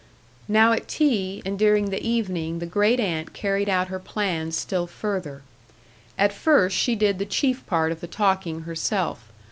Now at tea, and during the evening, the great aunt carried out her plans still further. At first she did the chief part of the talking herself.